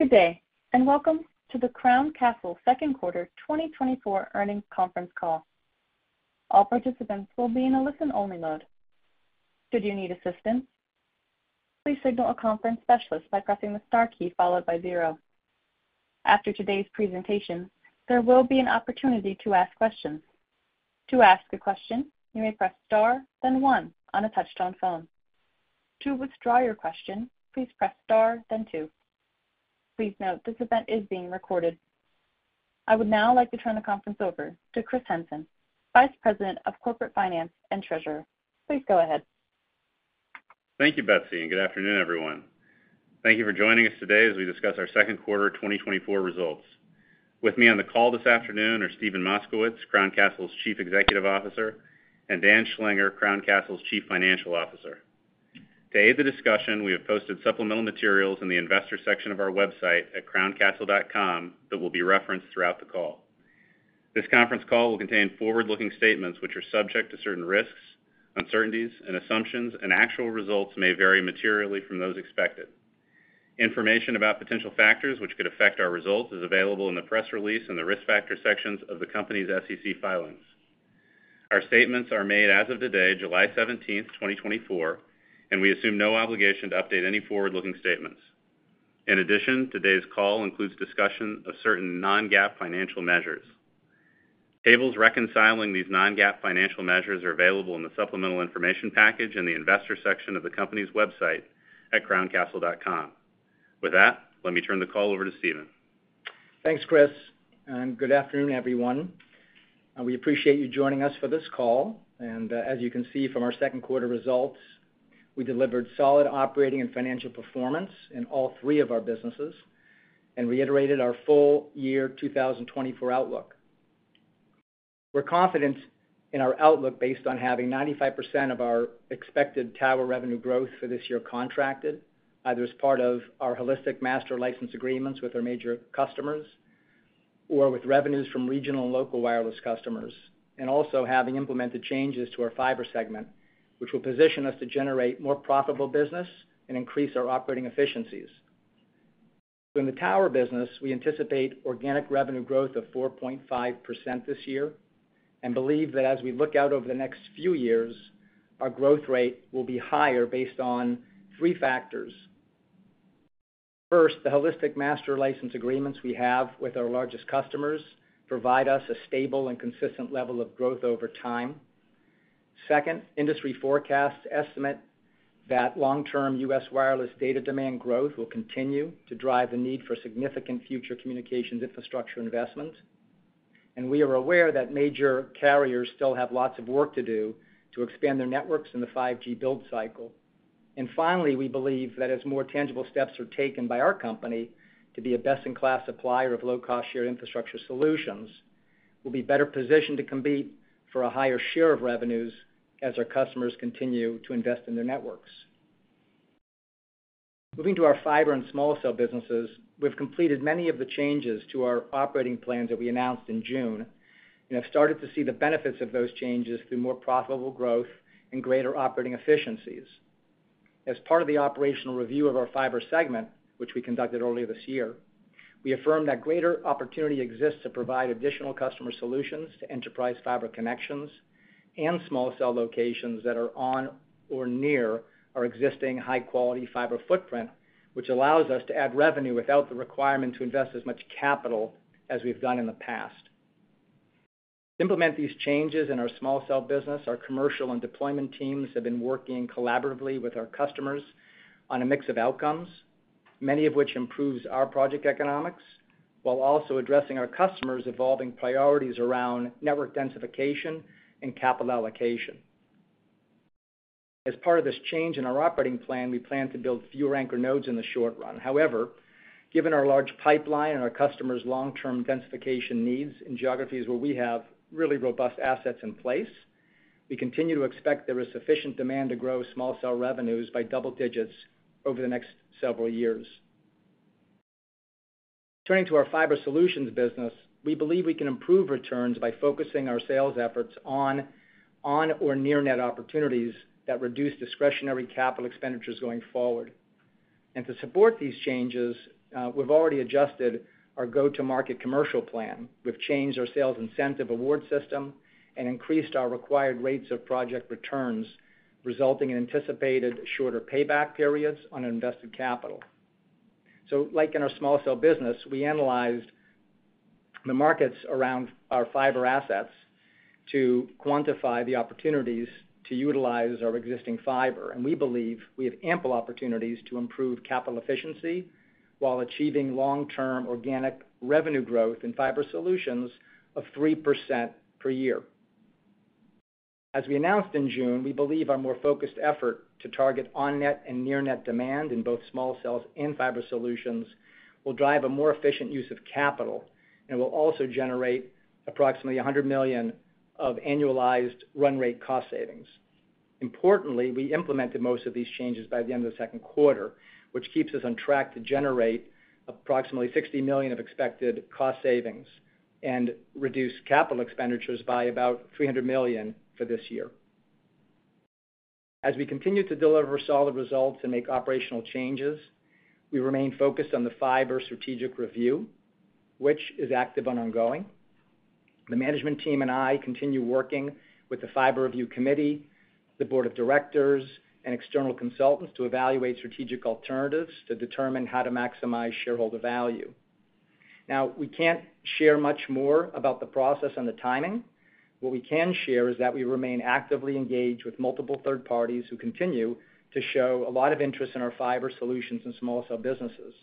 Good day, and welcome to the Crown Castle second quarter 2024 earnings conference call. All participants will be in a listen-only mode. Should you need assistance, please signal a conference specialist by pressing the star key followed by zero. After today's presentation, there will be an opportunity to ask questions. To ask a question, you may press star, then one on a touch-tone phone. To withdraw your question, please press star, then two. Please note, this event is being recorded. I would now like to turn the conference over to Kris Hinson, Vice President of Corporate Finance and Treasurer. Please go ahead. Thank you, Betsy, and good afternoon, everyone. Thank you for joining us today as we discuss our second quarter 2024 results. With me on the call this afternoon are Steven Moskowitz, Crown Castle's Chief Executive Officer, and Dan Schlanger, Crown Castle's Chief Financial Officer. To aid the discussion, we have posted supplemental materials in the investor section of our website at crowncastle.com that will be referenced throughout the call. This conference call will contain forward-looking statements, which are subject to certain risks, uncertainties, and assumptions, and actual results may vary materially from those expected. Information about potential factors which could affect our results is available in the press release in the Risk Factor sections of the company's SEC filings. Our statements are made as of today, July 17th, 2024, and we assume no obligation to update any forward-looking statements. In addition, today's call includes discussion of certain non-GAAP financial measures. Tables reconciling these non-GAAP financial measures are available in the supplemental information package in the investor section of the company's website at crowncastle.com. With that, let me turn the call over to Steven. Thanks, Kris, and good afternoon, everyone. We appreciate you joining us for this call, and, as you can see from our second quarter results, we delivered solid operating and financial performance in all three of our businesses and reiterated our full year 2024 outlook. We're confident in our outlook based on having 95% of our expected tower revenue growth for this year contracted, either as part of our holistic Master License Agreements with our major customers, or with revenues from regional and local wireless customers, and also having implemented changes to our fiber segment, which will position us to generate more profitable business and increase our operating efficiencies. In the tower business, we anticipate organic revenue growth of 4.5% this year and believe that as we look out over the next few years, our growth rate will be higher based on three factors. First, the holistic master license agreements we have with our largest customers provide us a stable and consistent level of growth over time. Second, industry forecasts estimate that long-term U.S. wireless data demand growth will continue to drive the need for significant future communications infrastructure investment. We are aware that major carriers still have lots of work to do to expand their networks in the 5G build cycle. Finally, we believe that as more tangible steps are taken by our company to be a best-in-class supplier of low-cost shared infrastructure solutions, we'll be better positioned to compete for a higher share of revenues as our customers continue to invest in their networks. Moving to our fiber and small cell businesses, we've completed many of the changes to our operating plans that we announced in June, and have started to see the benefits of those changes through more profitable growth and greater operating efficiencies. As part of the operational review of our fiber segment, which we conducted earlier this year, we affirmed that greater opportunity exists to provide additional customer solutions to enterprise fiber connections and small cell locations that are on or near our existing high-quality fiber footprint, which allows us to add revenue without the requirement to invest as much capital as we've done in the past. To implement these changes in our small cell business, our commercial and deployment teams have been working collaboratively with our customers on a mix of outcomes, many of which improves our project economics, while also addressing our customers' evolving priorities around network densification and capital allocation. As part of this change in our operating plan, we plan to build fewer anchor nodes in the short run. However, given our large pipeline and our customers' long-term densification needs in geographies where we have really robust assets in place, we continue to expect there is sufficient demand to grow small cell revenues by double digits over the next several years. Turning to our fiber solutions business, we believe we can improve returns by focusing our sales efforts on or near-net opportunities that reduce discretionary capital expenditures going forward. To support these changes, we've already adjusted our go-to-market commercial plan. We've changed our sales incentive award system and increased our required rates of project returns, resulting in anticipated shorter payback periods on invested capital. So like in our small cell business, we analyzed the markets around our fiber assets to quantify the opportunities to utilize our existing fiber, and we believe we have ample opportunities to improve capital efficiency while achieving long-term organic revenue growth in fiber solutions of 3% per year. As we announced in June, we believe our more focused effort to target on-net and near-net demand in both small cells and fiber solutions will drive a more efficient use of capital and will also generate approximately $100 million of annualized run rate cost savings. Importantly, we implemented most of these changes by the end of the second quarter, which keeps us on track to generate approximately $60 million of expected cost savings and reduce capital expenditures by about $300 million for this year. As we continue to deliver solid results and make operational changes, we remain focused on the fiber strategic review, which is active and ongoing. The management team and I continue working with the Fiber Review Committee, the board of directors, and external consultants to evaluate strategic alternatives to determine how to maximize shareholder value. Now, we can't share much more about the process and the timing. What we can share is that we remain actively engaged with multiple third parties who continue to show a lot of interest in our fiber solutions and small cell businesses,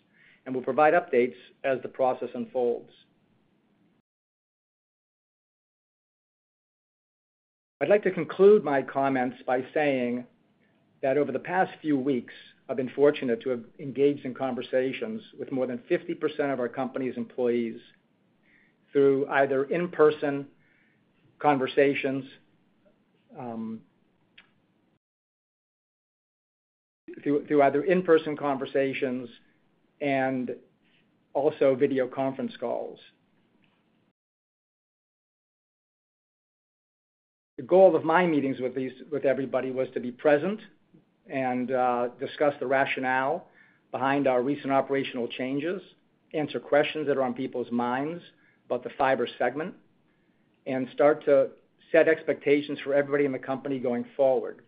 and we'll provide updates as the process unfolds. I'd like to conclude my comments by saying that over the past few weeks, I've been fortunate to have engaged in conversations with more than 50% of our company's employees through either in-person conversations and also video conference calls. The goal of my meetings with everybody was to be present and discuss the rationale behind our recent operational changes, answer questions that are on people's minds about the fiber segment, and start to set expectations for everybody in the company going forward.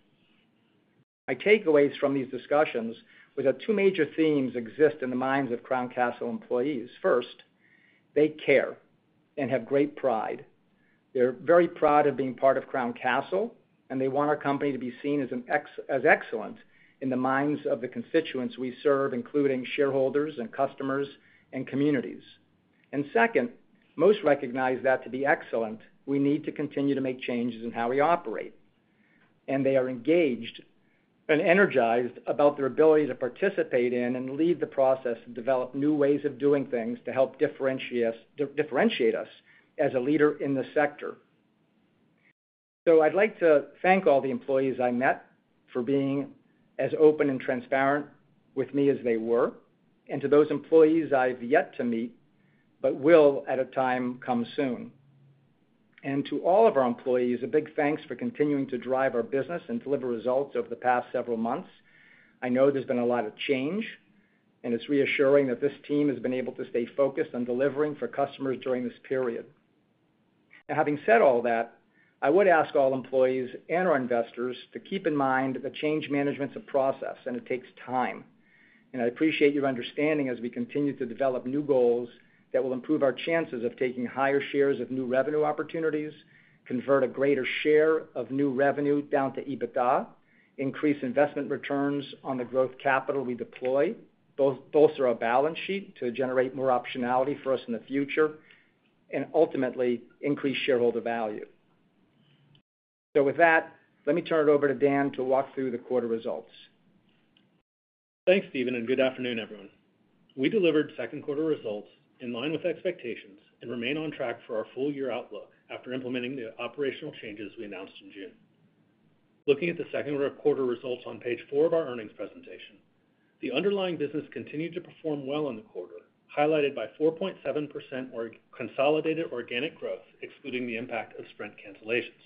My takeaways from these discussions were that two major themes exist in the minds of Crown Castle employees. First, they care and have great pride. They're very proud of being part of Crown Castle, and they want our company to be seen as as excellent in the minds of the constituents we serve, including shareholders and customers, and communities. And second, most recognize that to be excellent, we need to continue to make changes in how we operate, and they are engaged and energized about their ability to participate in and lead the process and develop new ways of doing things to help differentiate us, differentiate us as a leader in this sector. So I'd like to thank all the employees I met for being as open and transparent with me as they were, and to those employees I've yet to meet, but will at a time come soon. And to all of our employees, a big thanks for continuing to drive our business and deliver results over the past several months. I know there's been a lot of change, and it's reassuring that this team has been able to stay focused on delivering for customers during this period. Now, having said all that, I would ask all employees and our investors to keep in mind that change management's a process, and it takes time. I appreciate your understanding as we continue to develop new goals that will improve our chances of taking higher shares of new revenue opportunities, convert a greater share of new revenue down to EBITDA, increase investment returns on the growth capital we deploy, bolster our balance sheet to generate more optionality for us in the future, and ultimately, increase shareholder value. So with that, let me turn it over to Dan to walk through the quarter results. Thanks, Steven, and good afternoon, everyone. We delivered second quarter results in line with expectations and remain on track for our full year outlook after implementing the operational changes we announced in June. Looking at the second quarter results on page four of our earnings presentation, the underlying business continued to perform well in the quarter, highlighted by 4.7% consolidated organic growth, excluding the impact of Sprint cancellations.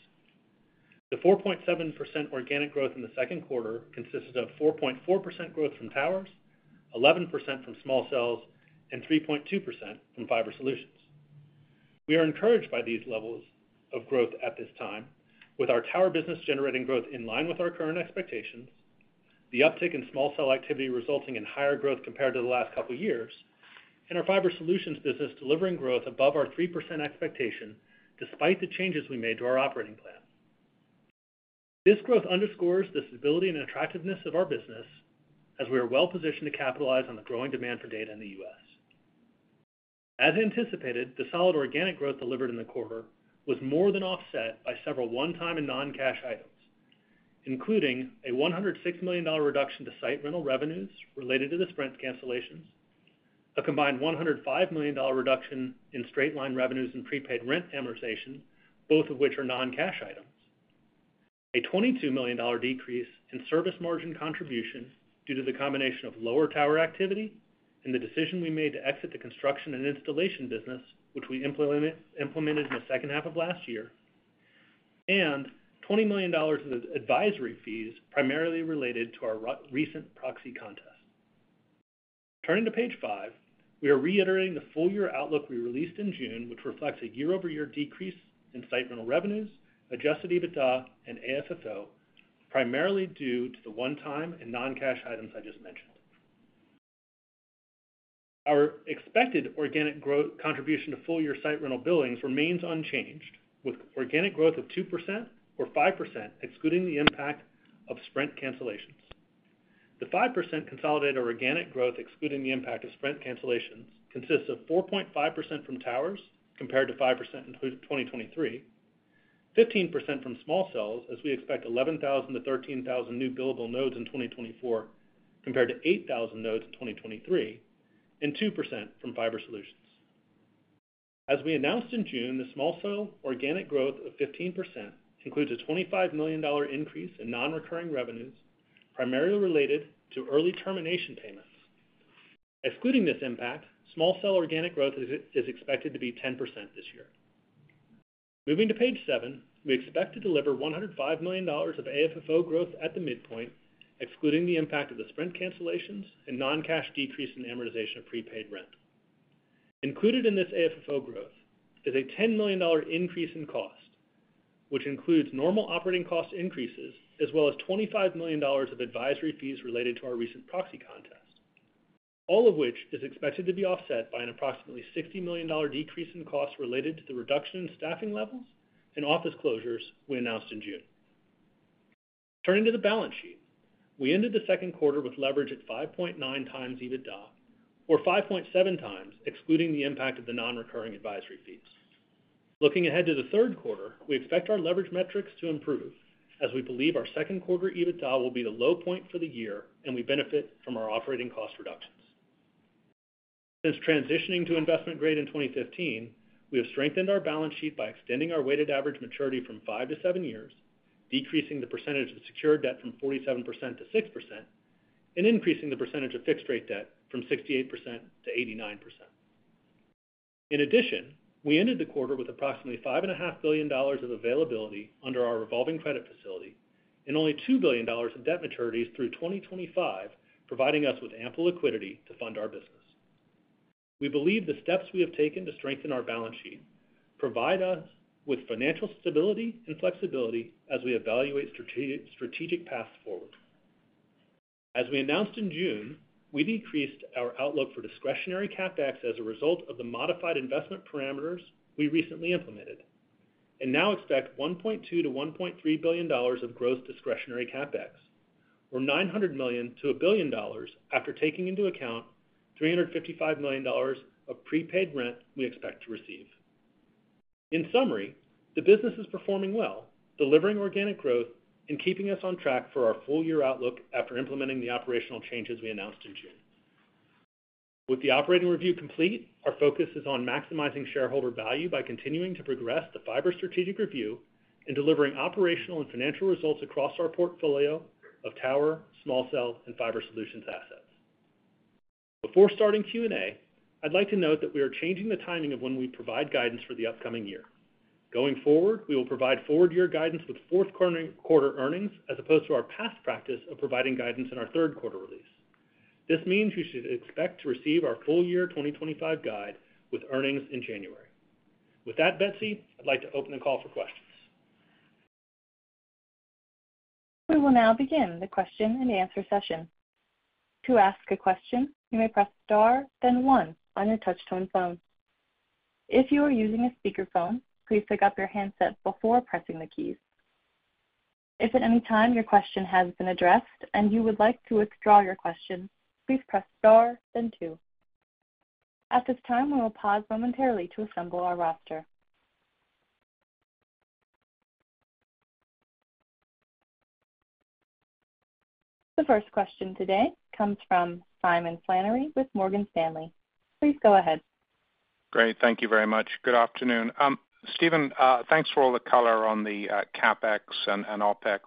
The 4.7% organic growth in the second quarter consisted of 4.4% growth from towers, 11% from small cells, and 3.2% from fiber solutions. We are encouraged by these levels of growth at this time, with our tower business generating growth in line with our current expectations, the uptick in small cell activity resulting in higher growth compared to the last couple of years, and our fiber solutions business delivering growth above our 3% expectation, despite the changes we made to our operating plan. This growth underscores the stability and attractiveness of our business as we are well-positioned to capitalize on the growing demand for data in the U.S. As anticipated, the solid organic growth delivered in the quarter was more than offset by several one-time and non-cash items, including a $106 million reduction to site rental revenues related to the Sprint cancellations, a combined $105 million reduction in straight-line revenues and prepaid rent amortization, both of which are non-cash items. A $22 million decrease in service margin contribution due to the combination of lower tower activity and the decision we made to exit the construction and installation business, which we implemented in the second half of last year, and $20 million of advisory fees, primarily related to our recent proxy contest. Turning to page five, we are reiterating the full-year outlook we released in June, which reflects a year-over-year decrease in site rental revenues, Adjusted EBITDA and AFFO, primarily due to the one-time and non-cash items I just mentioned. Our expected organic growth contribution to full-year site rental billings remains unchanged, with organic growth of 2% or 5%, excluding the impact of Sprint cancellations. The 5% consolidated organic growth, excluding the impact of Sprint cancellations, consists of 4.5% from towers, compared to 5% in 2023, 15% from small cells, as we expect 11,000-13,000 new billable nodes in 2024, compared to 8,000 nodes in 2023, and 2% from fiber solutions. As we announced in June, the small cell organic growth of 15% includes a $25 million increase in non-recurring revenues, primarily related to early termination payments. Excluding this impact, small cell organic growth is expected to be 10% this year. Moving to page seven, we expect to deliver $105 million of AFFO growth at the midpoint, excluding the impact of the Sprint cancellations and non-cash decrease in the amortization of prepaid rent. Included in this AFFO growth is a $10 million increase in cost, which includes normal operating cost increases, as well as $25 million of advisory fees related to our recent proxy contest. All of which is expected to be offset by an approximately $60 million decrease in costs related to the reduction in staffing levels and office closures we announced in June. Turning to the balance sheet, we ended the second quarter with leverage at 5.9 times EBITDA, or 5.7 times, excluding the impact of the non-recurring advisory fees. Looking ahead to the third quarter, we expect our leverage metrics to improve, as we believe our second quarter EBITDA will be the low point for the year, and we benefit from our operating cost reductions. Since transitioning to investment grade in 2015, we have strengthened our balance sheet by extending our weighted average maturity from 5-7 years, decreasing the percentage of secured debt from 47%-6%, and increasing the percentage of fixed rate debt from 68%-89%. In addition, we ended the quarter with approximately $5.5 billion of availability under our revolving credit facility and only $2 billion in debt maturities through 2025, providing us with ample liquidity to fund our business. We believe the steps we have taken to strengthen our balance sheet provide us with financial stability and flexibility as we evaluate strategic paths forward. As we announced in June, we decreased our outlook for discretionary CapEx as a result of the modified investment parameters we recently implemented, and now expect $1.2 billion-$1.3 billion of gross discretionary CapEx, or $900 million-$1 billion after taking into account $355 million of prepaid rent we expect to receive. In summary, the business is performing well, delivering organic growth and keeping us on track for our full-year outlook after implementing the operational changes we announced in June. With the operating review complete, our focus is on maximizing shareholder value by continuing to progress the fiber strategic review and delivering operational and financial results across our portfolio of tower, small cell, and fiber solutions assets. Before starting Q&A, I'd like to note that we are changing the timing of when we provide guidance for the upcoming year. Going forward, we will provide forward-year guidance with fourth quarter earnings, as opposed to our past practice of providing guidance in our third quarter release. This means you should expect to receive our full year 2025 guide with earnings in January. With that, Betsy, I'd like to open the call for questions. We will now begin the question and answer session. To ask a question, you may press star, then one on your touch-tone phone. If you are using a speakerphone, please pick up your handset before pressing the keys. If at any time your question has been addressed and you would like to withdraw your question, please press Star then two. At this time, we will pause momentarily to assemble our roster. The first question today comes from Simon Flannery with Morgan Stanley. Please go ahead. Great. Thank you very much. Good afternoon. Steven, thanks for all the color on the CapEx and OpEx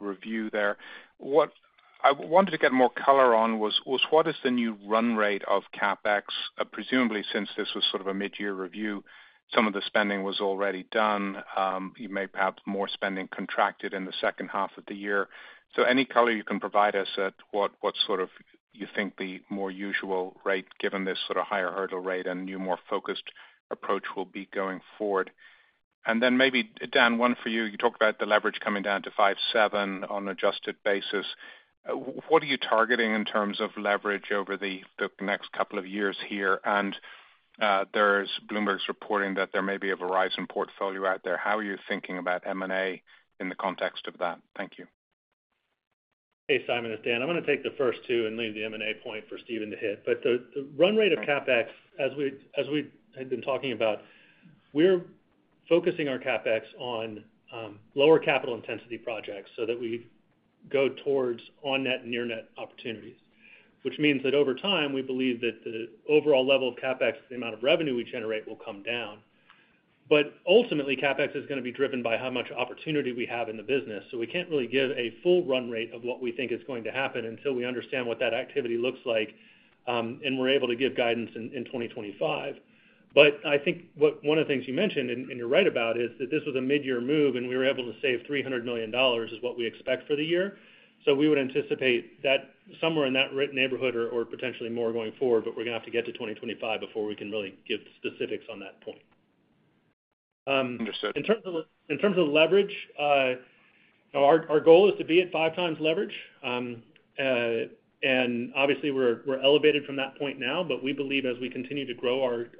review there. What I wanted to get more color on was what is the new run rate of CapEx? Presumably, since this was sort of a mid-year review, some of the spending was already done. You may perhaps more spending contracted in the second half of the year. So any color you can provide us at what sort of you think the more usual rate, given this sort of higher hurdle rate and new, more focused approach will be going forward. And then maybe, Dan, one for you. You talked about the leverage coming down to 5.7 on an adjusted basis. What are you targeting in terms of leverage over the next couple of years here? There's Bloomberg's reporting that there may be a Verizon portfolio out there. How are you thinking about M&A in the context of that? Thank you. Hey, Simon, it's Dan. I'm gonna take the first two and leave the M&A point for Steven to hit. But the run rate of CapEx, as we had been talking about, we're focusing our CapEx on lower capital intensity projects so that we go towards on-net and near-net opportunities. Which means that over time, we believe that the overall level of CapEx, the amount of revenue we generate, will come down. But ultimately, CapEx is gonna be driven by how much opportunity we have in the business, so we can't really give a full run rate of what we think is going to happen until we understand what that activity looks like, and we're able to give guidance in 2025. But I think what one of the things you mentioned, and you're right about, is that this was a mid-year move, and we were able to save $300 million, is what we expect for the year. So we would anticipate that somewhere in that range neighborhood or potentially more going forward, but we're gonna have to get to 2025 before we can really give specifics on that point. Understood. In terms of leverage, our goal is to be at 5x leverage. And obviously, we're elevated from that point now, but we believe as we continue to grow our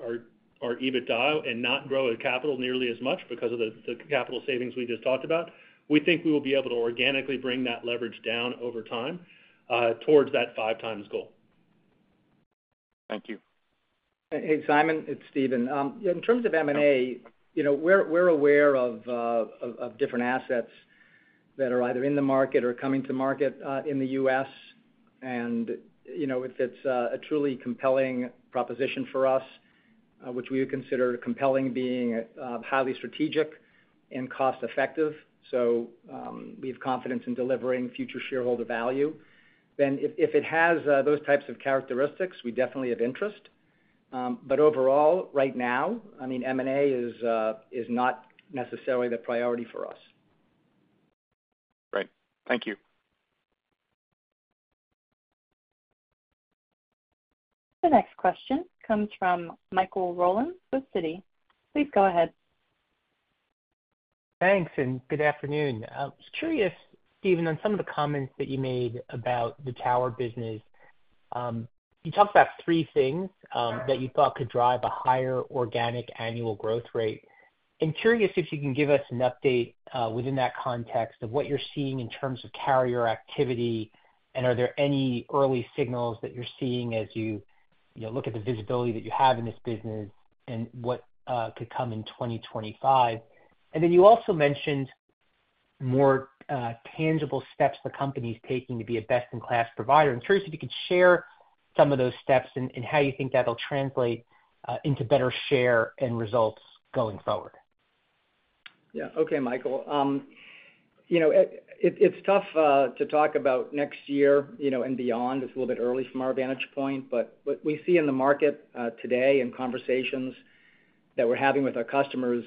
EBITDA and not grow CapEx nearly as much because of the CapEx savings we just talked about, we think we will be able to organically bring that leverage down over time, towards that 5x goal. Thank you. Hey, Simon, it's Steven. In terms of M&A, you know, we're aware of different assets that are either in the market or coming to market in the U.S. And, you know, if it's a truly compelling proposition for us, which we would consider compelling being highly strategic and cost effective, so, we have confidence in delivering future shareholder value, then if it has those types of characteristics, we definitely have interest. But overall, right now, I mean, M&A is not necessarily the priority for us. Right. Thank you. The next question comes from Michael Rollins with Citi. Please go ahead. Thanks, and good afternoon. I was curious, Steven, on some of the comments that you made about the tower business. You talked about three things that you thought could drive a higher organic annual growth rate. I'm curious if you can give us an update within that context of what you're seeing in terms of carrier activity, and are there any early signals that you're seeing as you, you know, look at the visibility that you have in this business and what could come in 2025? And then you also mentioned more tangible steps the company's taking to be a best-in-class provider. I'm curious if you could share some of those steps and how you think that'll translate into better share and results going forward. Yeah. Okay, Michael. You know, it's tough to talk about next year, you know, and beyond. It's a little bit early from our vantage point, but what we see in the market today, and conversations that we're having with our customers,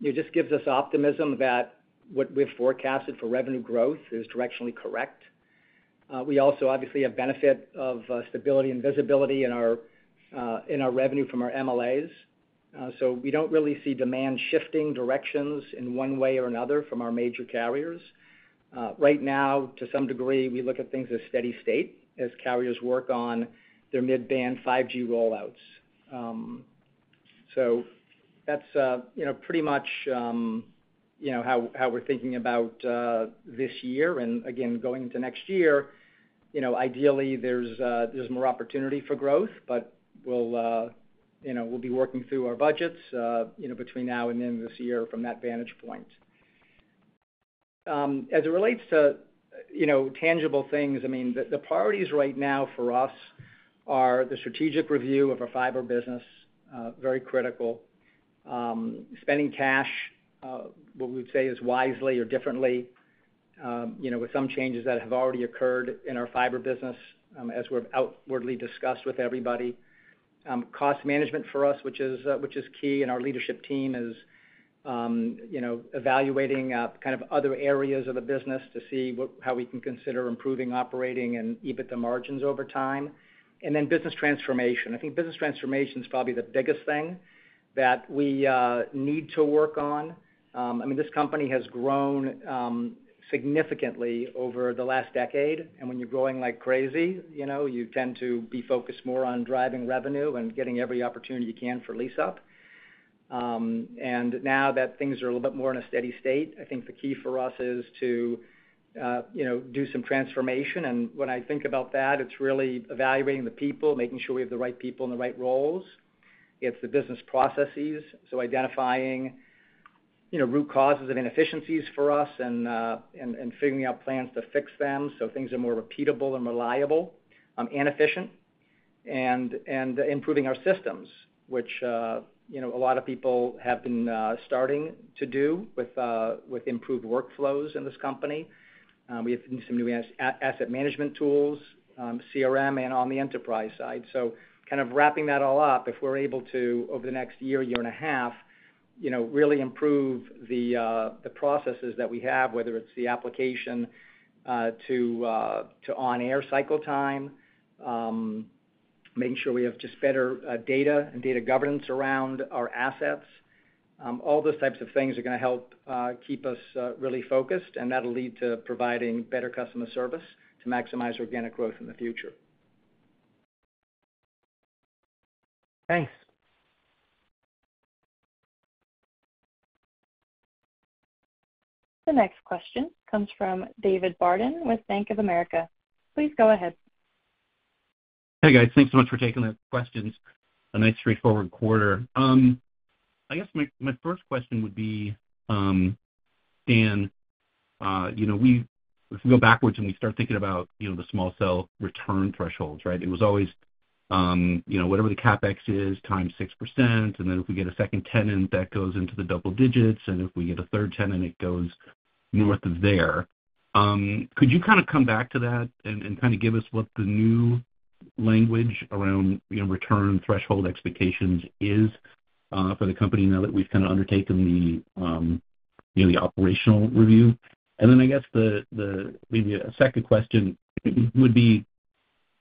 it just gives us optimism that what we've forecasted for revenue growth is directionally correct. We also obviously have benefit of stability and visibility in our revenue from our MLAs. So we don't really see demand shifting directions in one way or another from our major carriers. Right now, to some degree, we look at things as steady state as carriers work on their mid-band 5G rollouts. So that's you know, pretty much, you know, how we're thinking about this year. Again, going into next year, you know, ideally, there's more opportunity for growth, but we'll, you know, we'll be working through our budgets, you know, between now and the end of this year from that vantage point. As it relates to, you know, tangible things, I mean, the priorities right now for us are the strategic review of our fiber business, very critical. Spending cash, what we would say is wisely or differently, you know, with some changes that have already occurred in our fiber business, as we've outwardly discussed with everybody. Cost management for us, which is key, and our leadership team is, you know, evaluating kind of other areas of the business to see how we can consider improving operating and EBITDA margins over time. And then business transformation. I think business transformation is probably the biggest thing that we need to work on. I mean, this company has grown significantly over the last decade, and when you're growing like crazy, you know, you tend to be focused more on driving revenue and getting every opportunity you can for lease up. And now that things are a little bit more in a steady state, I think the key for us is to you know, do some transformation. And when I think about that, it's really evaluating the people, making sure we have the right people in the right roles. It's the business processes, so identifying, you know, root causes of inefficiencies for us and figuring out plans to fix them so things are more repeatable and reliable and efficient. Improving our systems, which you know, a lot of people have been starting to do with improved workflows in this company. We have some new asset management tools, CRM and on the enterprise side. So kind of wrapping that all up, if we're able to, over the next year, year and a half, you know, really improve the processes that we have, whether it's the application to on-air cycle time, making sure we have just better data and data governance around our assets. All those types of things are gonna help keep us really focused, and that'll lead to providing better customer service to maximize organic growth in the future. Thanks. The next question comes from David Barden with Bank of America. Please go ahead. Hey, guys. Thanks so much for taking the questions. A nice straightforward quarter. I guess my, my first question would be, Dan, you know, if we go backwards and we start thinking about, you know, the small cell return thresholds, right? It was always, you know, whatever the CapEx is, times 6%, and then if we get a second tenant, that goes into the double digits, and if we get a third tenant, it goes north of there. Could you kind of come back to that and, and kind of give us what the new language around, you know, return threshold expectations is, for the company now that we've kind of undertaken the, you know, the operational review? And then I guess, maybe a second question would be,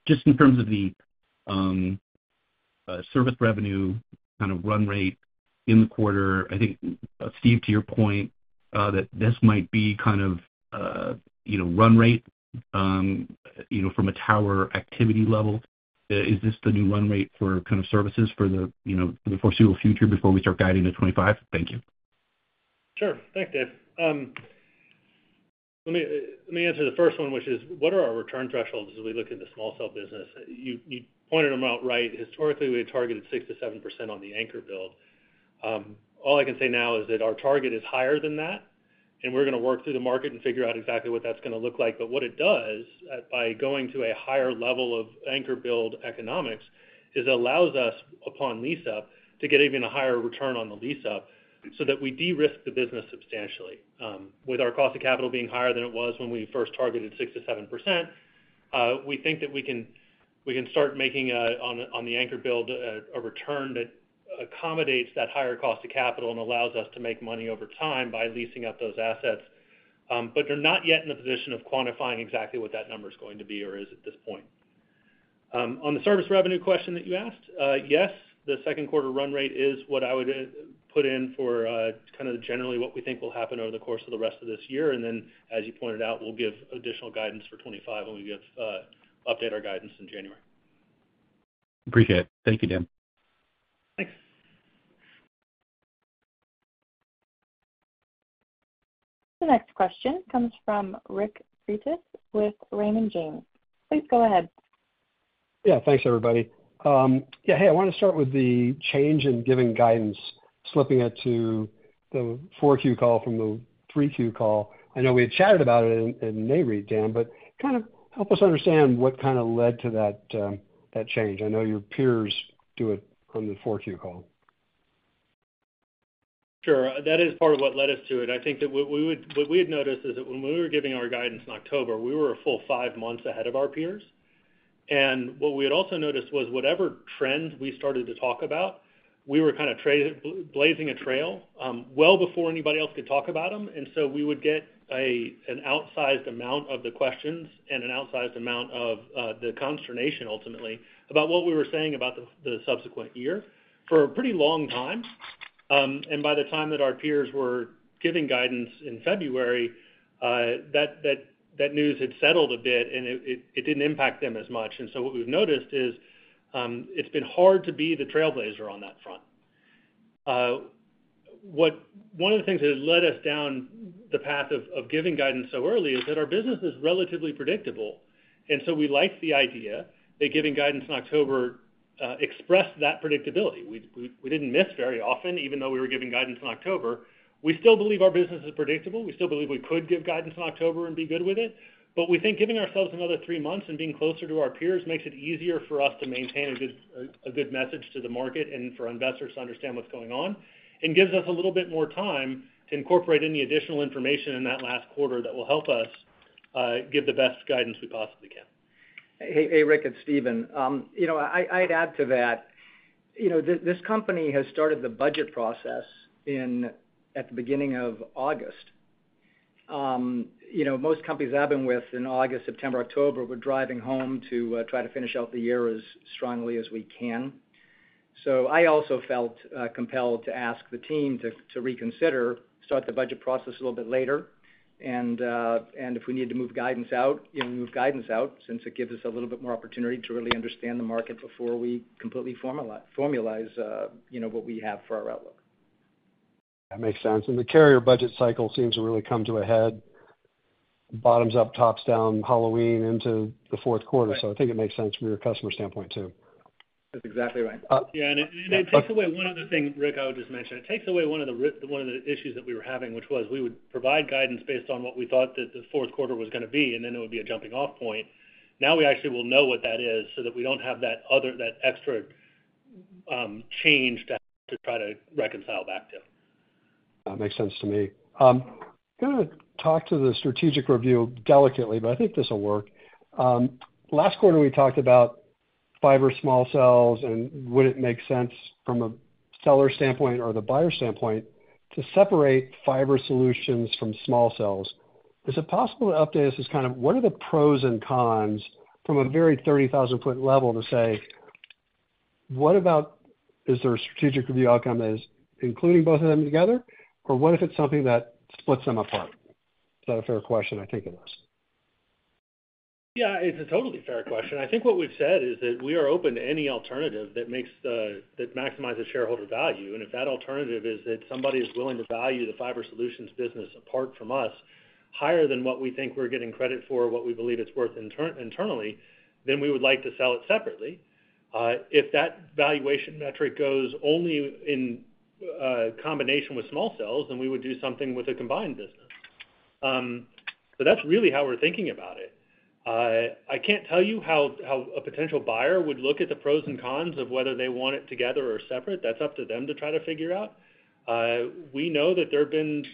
just in terms of the service revenue kind of run rate in the quarter, I think, Steve, to your point, that this might be kind of, you know, run rate, you know, from a tower activity level. Is this the new run rate for kind of services for the, you know, for the foreseeable future before we start guiding to 2025? Thank you. Sure. Thanks, Dave. Let me answer the first one, which is: What are our return thresholds as we look at the small cell business? You pointed them out right. Historically, we had targeted 6%-7% on the anchor build. All I can say now is that our target is higher than that. And we're gonna work through the market and figure out exactly what that's gonna look like. But what it does, by going to a higher level of anchor build economics, is allows us, upon lease-up, to get even a higher return on the lease-up, so that we de-risk the business substantially. With our cost of capital being higher than it was when we first targeted 6%-7%, we think that we can start making, on the anchor build, a return that accommodates that higher cost of capital and allows us to make money over time by leasing up those assets. But they're not yet in the position of quantifying exactly what that number is going to be or is at this point. On the service revenue question that you asked, yes, the second quarter run rate is what I would put in for kind of generally what we think will happen over the course of the rest of this year. And then, as you pointed out, we'll give additional guidance for 2025 when we give update our guidance in January. Appreciate it. Thank you, Dan. Thanks. The next question comes from Ric Prentiss with Raymond James. Please go ahead. Yeah, thanks, everybody. I wanna start with the change in giving guidance, slipping it to the 4Q call from the 3Q call. I know we had chatted about it in May readout, Dan, but kind of help us understand what kind of led to that, that change. I know your peers do it on the 4Q call. Sure. That is part of what led us to it. I think that what we had noticed is that when we were giving our guidance in October, we were a full five months ahead of our peers. And what we had also noticed was whatever trends we started to talk about, we were kind of blazing a trail, well before anybody else could talk about them. And so we would get an outsized amount of the questions and an outsized amount of the consternation, ultimately, about what we were saying about the subsequent year for a pretty long time. And by the time that our peers were giving guidance in February, that news had settled a bit, and it didn't impact them as much. And so what we've noticed is, it's been hard to be the trailblazer on that front. One of the things that has led us down the path of giving guidance so early is that our business is relatively predictable, and so we like the idea that giving guidance in October expressed that predictability. We didn't miss very often, even though we were giving guidance in October. We still believe our business is predictable. We still believe we could give guidance in October and be good with it, but we think giving ourselves another three months and being closer to our peers makes it easier for us to maintain a good message to the market and for investors to understand what's going on, and gives us a little bit more time to incorporate any additional information in that last quarter that will help us give the best guidance we possibly can. Hey, hey, Ric, it's Steven. You know, I'd add to that. You know, this company has started the budget process in at the beginning of August. You know, most companies I've been with in August, September, October, we're driving home to try to finish out the year as strongly as we can. So I also felt compelled to ask the team to reconsider, start the budget process a little bit later. And if we need to move guidance out, you know, move guidance out, since it gives us a little bit more opportunity to really understand the market before we completely formalize what we have for our outlook. That makes sense. And the carrier budget cycle seems to really come to a head, bottoms up, tops down, Halloween into the fourth quarter. So I think it makes sense from your customer standpoint, too. That's exactly right. Yeah, it takes away one other thing, Ric. I would just mention. It takes away one of the issues that we were having, which was we would provide guidance based on what we thought that the fourth quarter was gonna be, and then it would be a jumping-off point. Now, we actually will know what that is, so that we don't have that other, that extra change to try to reconcile back to. Makes sense to me. Gonna talk to the strategic review delicately, but I think this will work. Last quarter, we talked about fiber small cells, and would it make sense from a seller standpoint or the buyer standpoint to separate fiber solutions from small cells? Is it possible to update us as kind of what are the pros and cons from a very 30,000-foot level to say, what about is there a strategic review outcome that is including both of them together, or what if it's something that splits them apart? Is that a fair question? I think it is. Yeah, it's a totally fair question. I think what we've said is that we are open to any alternative that maximizes shareholder value. And if that alternative is that somebody is willing to value the fiber solutions business apart from us, higher than what we think we're getting credit for, what we believe it's worth internally, then we would like to sell it separately. If that valuation metric goes only in combination with small cells, then we would do something with a combined business. So that's really how we're thinking about it. I can't tell you how a potential buyer would look at the pros and cons of whether they want it together or separate. That's up to them to try to figure out. We know that there have been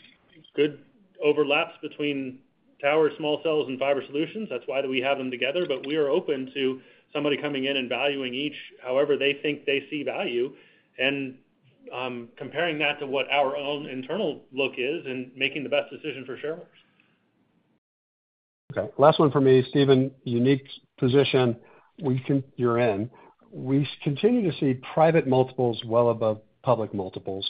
good overlaps between tower, small cells, and fiber solutions. That's why we have them together, but we are open to somebody coming in and valuing each however they think they see value, and, comparing that to what our own internal look is and making the best decision for shareholders. Okay, last one for me. Steven, unique position we think you're in. We continue to see private multiples well above public multiples.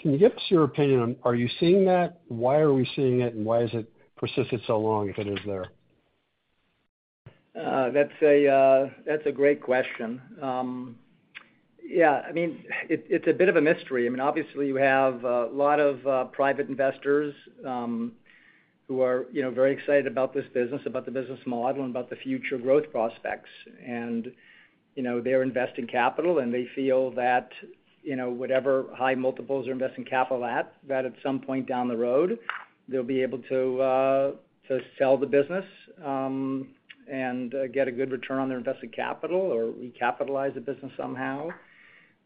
Can you give us your opinion on, are you seeing that? Why are we seeing it, and why has it persisted so long, if it is there? That's a great question. Yeah, I mean, it's a bit of a mystery. I mean, obviously, you have a lot of private investors who are, you know, very excited about this business, about the business model, and about the future growth prospects. And, you know, they're investing capital, and they feel that, you know, whatever high multiples they're investing capital at, that at some point down the road, they'll be able to sell the business and get a good return on their invested capital, or recapitalize the business somehow,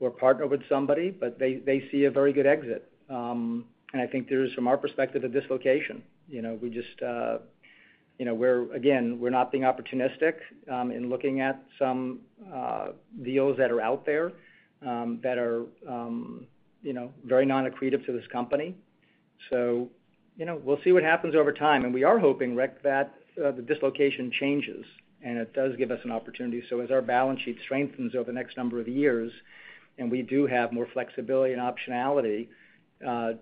or partner with somebody. But they see a very good exit. And I think there's, from our perspective, a dislocation. You know, we just, you know, we're, again, we're not being opportunistic, in looking at some, deals that are out there, that are, you know, very non-accretive to this company. So, you know, we'll see what happens over time. And we are hoping, Ric, that, the dislocation changes, and it does give us an opportunity. So as our balance sheet strengthens over the next number of years, and we do have more flexibility and optionality,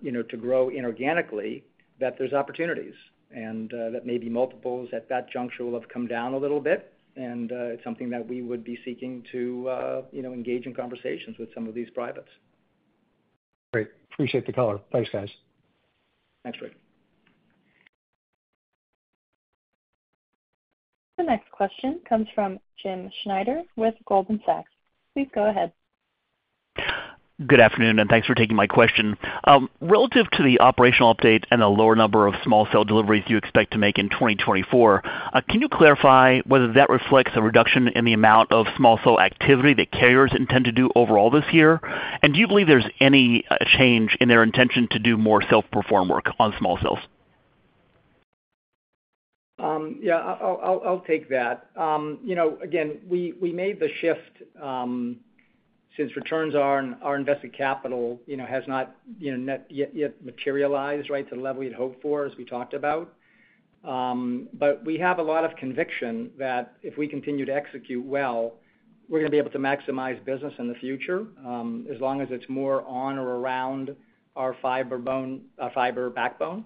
you know, to grow inorganically, that there's opportunities, and, that maybe multiples at that juncture will have come down a little bit, and, it's something that we would be seeking to, you know, engage in conversations with some of these privates. Great. Appreciate the call. Thanks, guys. Thanks, Ric. The next question comes from Jim Schneider with Goldman Sachs. Please go ahead. Good afternoon, and thanks for taking my question. Relative to the operational update and the lower number of small cell deliveries you expect to make in 2024, can you clarify whether that reflects a reduction in the amount of small cell activity that carriers intend to do overall this year? And do you believe there's any change in their intention to do more self-perform work on small cells? Yeah, I'll take that. You know, again, we made the shift since returns on our invested capital, you know, has not yet materialized, right, to the level we'd hoped for, as we talked about. But we have a lot of conviction that if we continue to execute well, we're gonna be able to maximize business in the future, as long as it's more on or around our fiber backbone.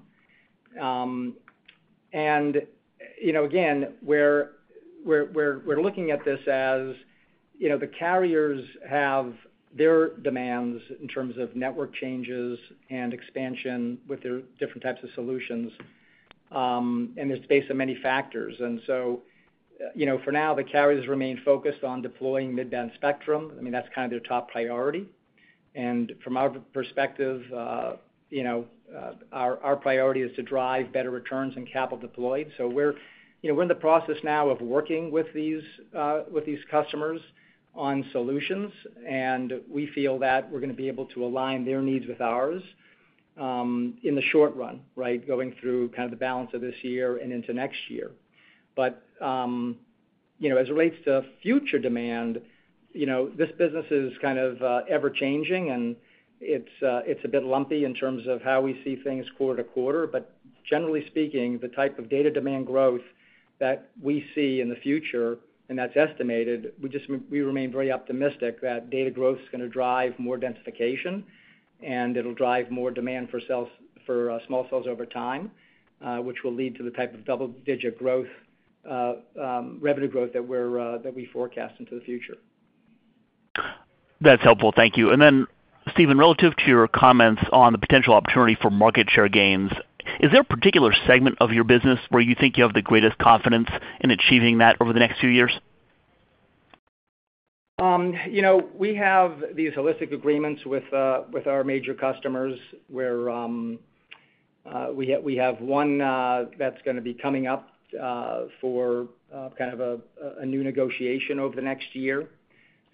And, you know, again, we're looking at this as, you know, the carriers have their demands in terms of network changes and expansion with their different types of solutions, and it's based on many factors. So, you know, for now, the carriers remain focused on deploying mid-band spectrum. I mean, that's kind of their top priority. And from our perspective, you know, our priority is to drive better returns and capital deployed. So we're, you know, we're in the process now of working with these, with these customers on solutions, and we feel that we're gonna be able to align their needs with ours, in the short run, right? Going through kind of the balance of this year and into next year. But, you know, as it relates to future demand, you know, this business is kind of, ever changing, and it's, it's a bit lumpy in terms of how we see things quarter to quarter. Generally speaking, the type of data demand growth that we see in the future, and that's estimated, we remain very optimistic that data growth is gonna drive more densification, and it'll drive more demand for cells, for small cells over time, which will lead to the type of double-digit revenue growth that we forecast into the future. That's helpful. Thank you. And then, Steven, relative to your comments on the potential opportunity for market share gains, is there a particular segment of your business where you think you have the greatest confidence in achieving that over the next few years? You know, we have these holistic agreements with, with our major customers, where, we have, we have one, that's gonna be coming up, for, kind of a, a new negotiation over the next year.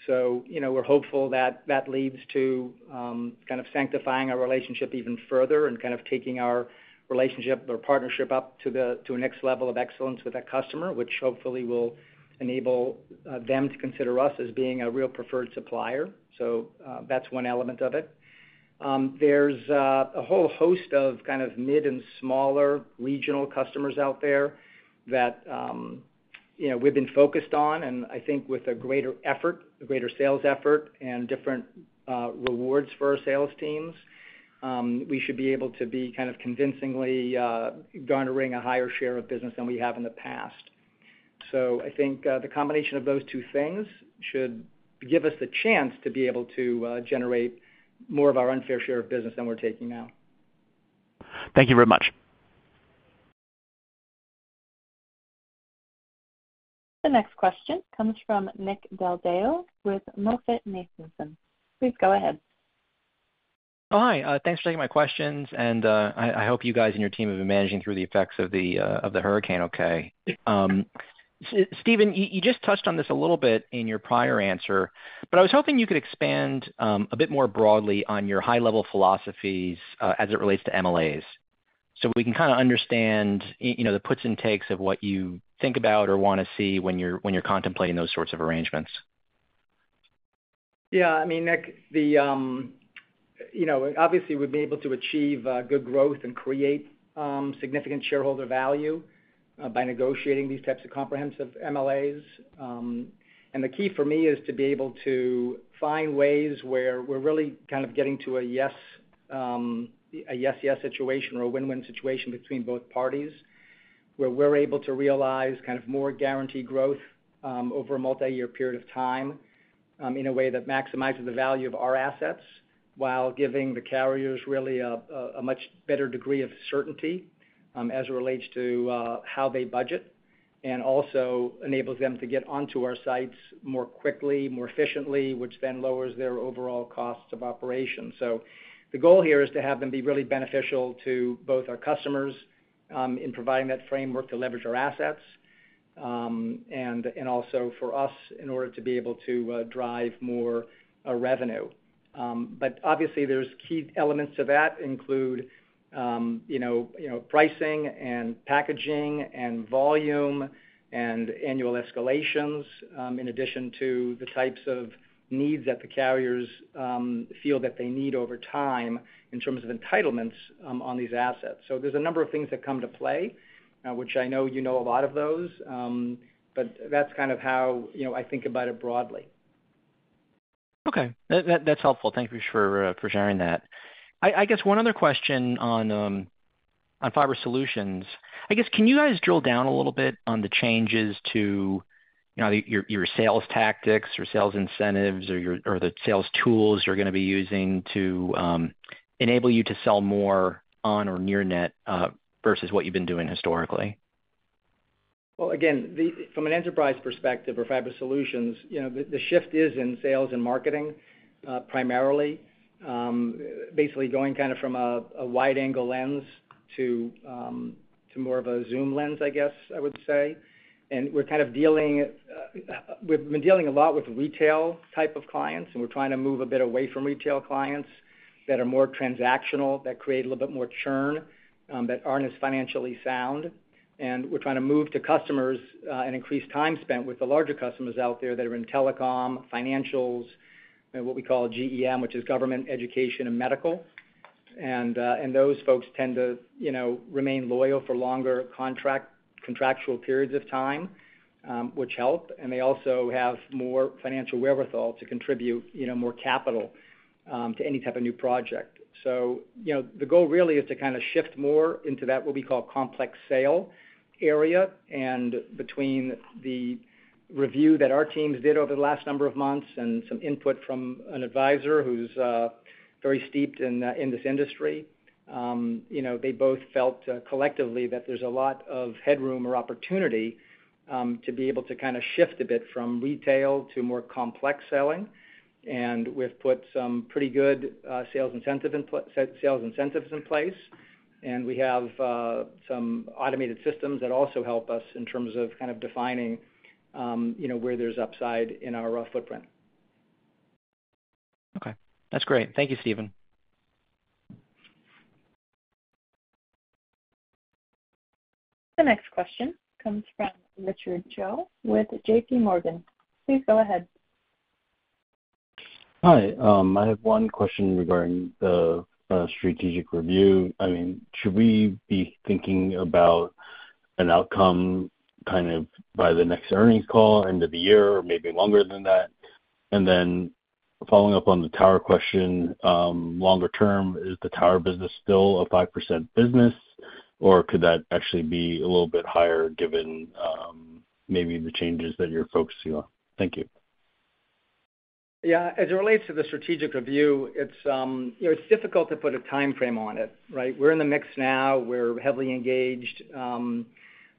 So, you know, we're hopeful that that leads to, kind of sanctifying our relationship even further and kind of taking our relationship or partnership up to the, to a next level of excellence with that customer, which hopefully will enable, them to consider us as being a real preferred supplier. So, that's one element of it. There's a whole host of kind of mid and smaller regional customers out there that, you know, we've been focused on, and I think with a greater effort, a greater sales effort and different rewards for our sales teams, we should be able to be kind of convincingly garnering a higher share of business than we have in the past. So I think the combination of those two things should give us the chance to be able to generate more of our unfair share of business than we're taking now. Thank you very much. The next question comes from Nick Del Deo with MoffettNathanson. Please go ahead. Oh, hi, thanks for taking my questions, and I hope you guys and your team have been managing through the effects of the hurricane okay. Steven, you just touched on this a little bit in your prior answer, but I was hoping you could expand a bit more broadly on your high-level philosophies as it relates to MLAs, so we can kinda understand, you know, the puts and takes of what you think about or wanna see when you're contemplating those sorts of arrangements. Yeah, I mean, Nick, you know, obviously, we've been able to achieve good growth and create significant shareholder value by negotiating these types of comprehensive MLAs. And the key for me is to be able to find ways where we're really kind of getting to a yes, a yes-yes situation or a win-win situation between both parties where we're able to realize kind of more guaranteed growth over a multi-year period of time in a way that maximizes the value of our assets, while giving the carriers really a much better degree of certainty as it relates to how they budget, and also enables them to get onto our sites more quickly, more efficiently, which then lowers their overall costs of operation. So the goal here is to have them be really beneficial to both our customers, in providing that framework to leverage our assets, and, and also for us, in order to be able to, drive more, revenue. But obviously, there's key elements to that include, you know, you know, pricing and packaging and volume and annual escalations, in addition to the types of needs that the carriers, feel that they need over time in terms of entitlements, on these assets. So there's a number of things that come to play, which I know you know a lot of those, but that's kind of how, you know, I think about it broadly. Okay. That's helpful. Thank you for sharing that. I guess one other question on fiber solutions. I guess, can you guys drill down a little bit on the changes to, you know, your sales tactics or sales incentives or the sales tools you're gonna be using to enable you to sell more on or near net versus what you've been doing historically? Well, again, from an enterprise perspective or fiber solutions, you know, the shift is in sales and marketing, primarily. Basically, going kind of from a wide-angle lens to more of a zoom lens, I guess, I would say. And we're kind of dealing, we've been dealing a lot with retail type of clients, and we're trying to move a bit away from retail clients that are more transactional, that create a little bit more churn, that aren't as financially sound. And we're trying to move to customers and increase time spent with the larger customers out there that are in telecom, financials, and what we call GEM, which is government, education, and medical. And those folks tend to, you know, remain loyal for longer contractual periods of time, which help, and they also have more financial wherewithal to contribute, you know, more capital to any type of new project. So, you know, the goal really is to kind of shift more into that, what we call complex sale area. And between the review that our teams did over the last number of months and some input from an advisor who's very steeped in in this industry, you know, they both felt collectively that there's a lot of headroom or opportunity to be able to kind of shift a bit from retail to more complex selling. We've put some pretty good sales incentives in place, and we have some automated systems that also help us in terms of kind of defining, you know, where there's upside in our footprint. Okay. That's great. Thank you, Steven. The next question comes from Richard Choe with JP Morgan. Please go ahead. Hi. I have one question regarding the strategic review. I mean, should we be thinking about an outcome kind of by the next earnings call, end of the year, or maybe longer than that? And then following up on the tower question, longer term, is the tower business still a 5% business, or could that actually be a little bit higher given maybe the changes that you're focusing on? Thank you. Yeah, as it relates to the strategic review, it's, you know, it's difficult to put a timeframe on it, right? We're in the mix now. We're heavily engaged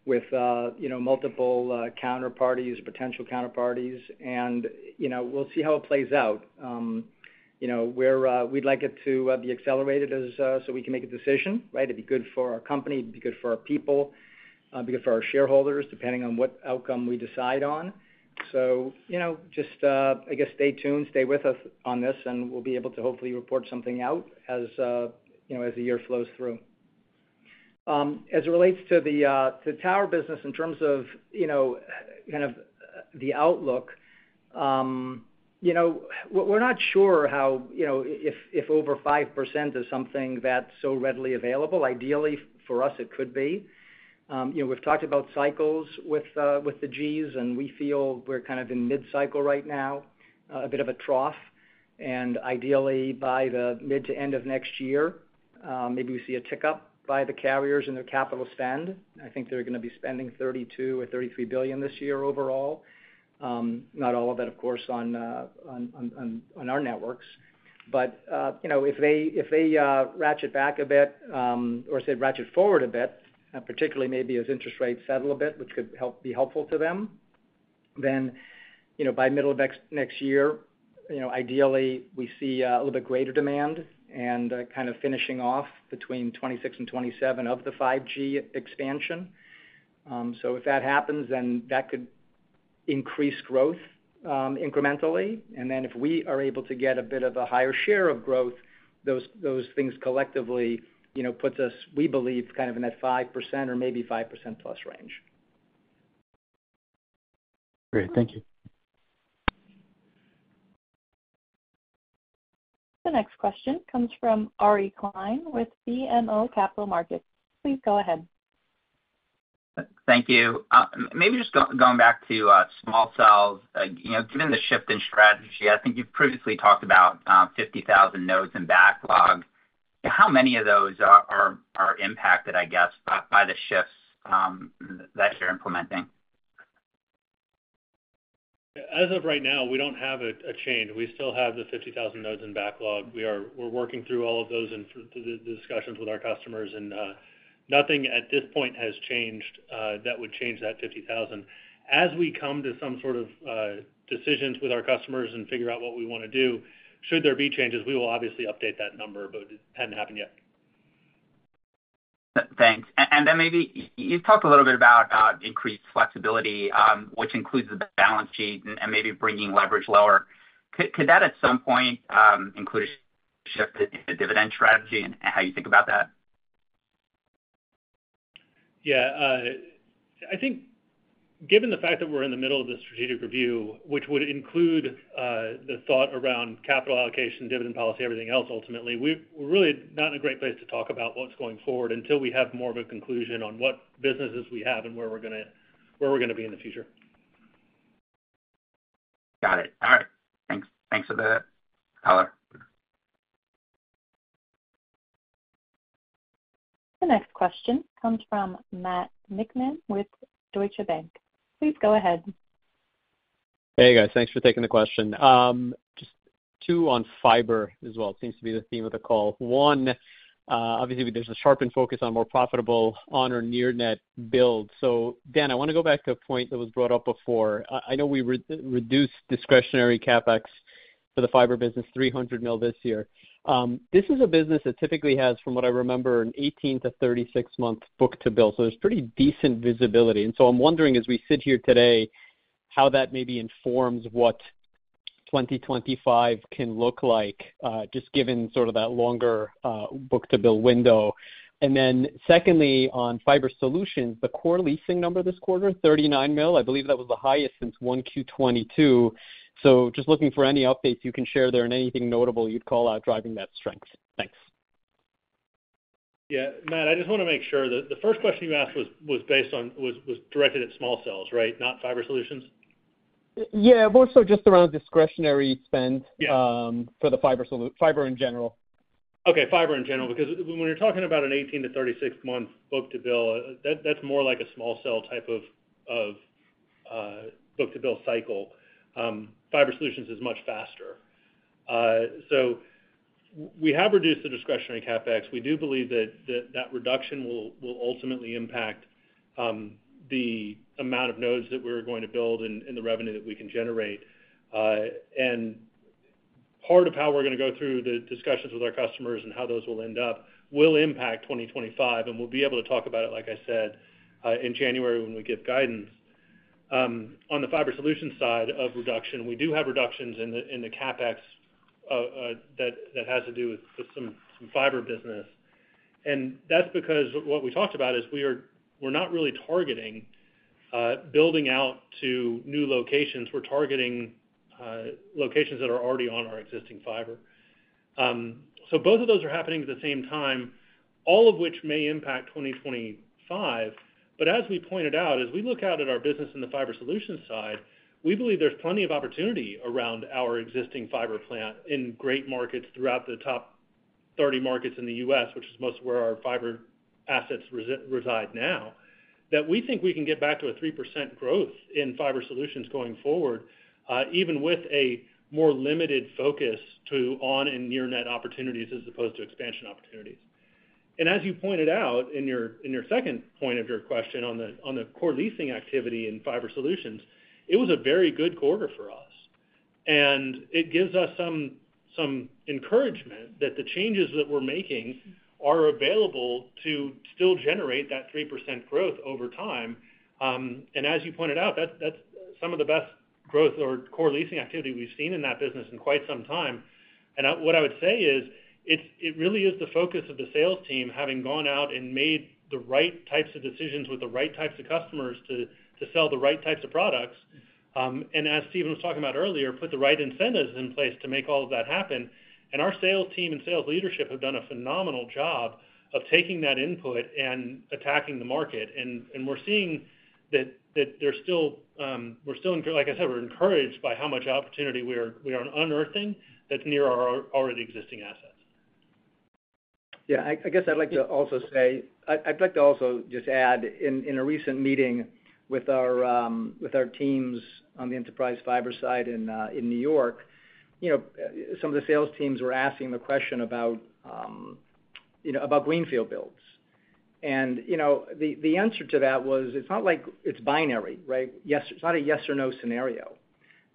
with, you know, multiple counterparties, potential counterparties, and, you know, we'll see how it plays out. You know, we're-- we'd like it to be accelerated as so we can make a decision, right? It'd be good for our company, it'd be good for our people, be good for our shareholders, depending on what outcome we decide on. So, you know, just, I guess, stay tuned, stay with us on this, and we'll be able to hopefully report something out as, you know, as the year flows through. As it relates to the tower business in terms of, you know, kind of the outlook, we're not sure how, you know, if over 5% is something that's so readily available. Ideally, for us, it could be. We've talked about cycles with the Gs, and we feel we're kind of in mid-cycle right now, a bit of a trough. Ideally, by the mid to end of next year, maybe we see a tick-up by the carriers in their capital spend. I think they're gonna be spending $32 billion or $33 billion this year overall. Not all of it, of course, on our networks. But, you know, if they, if they ratchet back a bit, or, say, ratchet forward a bit, particularly maybe as interest rates settle a bit, which could be helpful to them, then, you know, by middle of next year, you know, ideally, we see a little bit greater demand and kind of finishing off between 26 and 27 of the 5G expansion. So if that happens, then that could increase growth incrementally. And then if we are able to get a bit of a higher share of growth, those things collectively, you know, puts us, we believe, kind of in that 5% or maybe 5%+ range. Great. Thank you. The next question comes from Ari Klein with BMO Capital Markets. Please go ahead. Thank you. Maybe just going back to small cells. You know, given the shift in strategy, I think you've previously talked about 50,000 nodes in backlog. How many of those are impacted, I guess, by the shifts that you're implementing? As of right now, we don't have a change. We still have the 50,000 nodes in backlog. We're working through all of those and through the discussions with our customers, and nothing at this point has changed that would change that 50,000. As we come to some sort of decisions with our customers and figure out what we wanna do, should there be changes, we will obviously update that number, but it hadn't happened yet. Thanks. And then maybe, you talked a little bit about increased flexibility, which includes the balance sheet and maybe bringing leverage lower. Could that, at some point, include a shift in the dividend strategy and how you think about that? Yeah, I think given the fact that we're in the middle of the strategic review, which would include the thought around capital allocation, dividend policy, everything else, ultimately, we're really not in a great place to talk about what's going forward until we have more of a conclusion on what businesses we have and where we're gonna be in the future. Got it. All right. Thanks. Thanks for the color. The next question comes from Matthew Niknam with Deutsche Bank. Please go ahead. Hey, guys. Thanks for taking the question. Just two on fiber as well. It seems to be the theme of the call. One, obviously, there's a sharpened focus on more profitable on- or near-net build. So Dan, I wanna go back to a point that was brought up before. I know we reduced discretionary CapEx for the fiber business, $300 million this year. This is a business that typically has, from what I remember, an 18- to 36-month book-to-bill, so there's pretty decent visibility. And so I'm wondering, as we sit here today, how that maybe informs what 2025 can look like, just given sort of that longer book-to-bill window. And then secondly, on fiber solutions, the core leasing number this quarter, $39 million, I believe that was the highest since 1Q 2022. Just looking for any updates you can share there and anything notable you'd call out driving that strength. Thanks. Yeah, Matt, I just wanna make sure that the first question you asked was based on, was directed at small cells, right? Not fiber solutions? Yeah, more so just around discretionary spend- Yeah. Fiber in general. Okay, fiber in general, because when you're talking about an 18- to 36-month book to bill, that's more like a small cell type of book to bill cycle. Fiber solutions is much faster. So we have reduced the discretionary CapEx. We do believe that that reduction will ultimately impact the amount of nodes that we're going to build and the revenue that we can generate. And part of how we're gonna go through the discussions with our customers and how those will end up will impact 2025, and we'll be able to talk about it, like I said, in January when we give guidance. On the fiber solutions side of reduction, we do have reductions in the CapEx that has to do with some fiber business. And that's because what we talked about is we're not really targeting building out to new locations. We're targeting locations that are already on our existing fiber. So both of those are happening at the same time, all of which may impact 2025. But as we pointed out, as we look out at our business in the fiber solutions side, we believe there's plenty of opportunity around our existing fiber plant in great markets throughout the top 30 markets in the U.S., which is most where our fiber assets reside now, that we think we can get back to a 3% growth in fiber solutions going forward, even with a more limited focus on on-net and near-net opportunities as opposed to expansion opportunities. And as you pointed out in your second point of your question on the core leasing activity in fiber solutions, it was a very good quarter for us. And it gives us some encouragement that the changes that we're making are available to still generate that 3% growth over time. And as you pointed out, that's some of the best growth or core leasing activity we've seen in that business in quite some time. And what I would say is, it really is the focus of the sales team having gone out and made the right types of decisions with the right types of customers to sell the right types of products. And as Steven was talking about earlier, put the right incentives in place to make all of that happen. And our sales team and sales leadership have done a phenomenal job of taking that input and attacking the market. And we're seeing that they're still, we're still, like I said, we're encouraged by how much opportunity we're unearthing that's near our already existing assets. Yeah, I guess I'd like to also say... I'd like to also just add, in a recent meeting with our teams on the enterprise fiber side in New York, you know, some of the sales teams were asking the question about, you know, about greenfield builds. And, you know, the answer to that was, it's not like it's binary, right? It's not a yes or no scenario.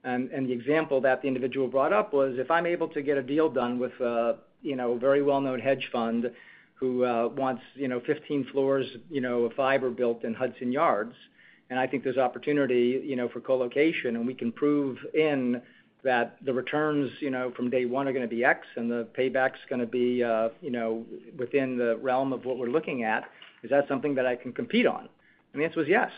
And the example that the individual brought up was, if I'm able to get a deal done with a, you know, very well-known hedge fund who wants, you know, 15 floors, you know, of fiber built in Hudson Yards, and I think there's opportunity, you know, for co-location, and we can prove in that the returns, you know, from day one are gonna be X, and the payback's gonna be, you know, within the realm of what we're looking at, is that something that I can compete on? And the answer was yes.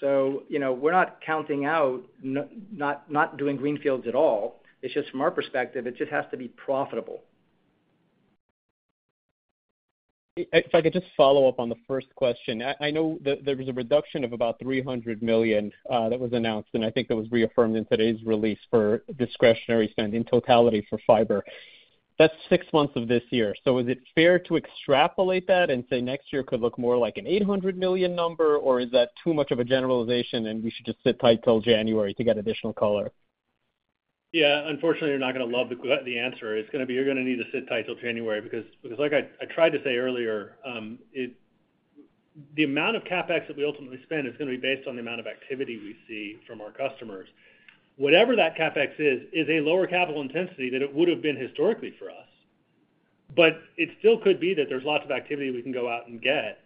So, you know, we're not counting out not doing greenfields at all. It's just from our perspective, it just has to be profitable. If I could just follow up on the first question. I know that there was a reduction of about $300 million that was announced, and I think that was reaffirmed in today's release for discretionary spend in totality for fiber. That's six months of this year. So is it fair to extrapolate that and say next year could look more like an $800 million number? Or is that too much of a generalization and we should just sit tight till January to get additional color? Yeah, unfortunately, you're not going to love the answer. It's going to be, you're going to need to sit tight till January, because, because like I tried to say earlier, the amount of CapEx that we ultimately spend is going to be based on the amount of activity we see from our customers. Whatever that CapEx is, is a lower capital intensity than it would have been historically for us. But it still could be that there's lots of activity we can go out and get,